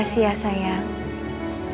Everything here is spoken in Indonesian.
makasih ya sayang